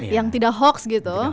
yang tidak hoax gitu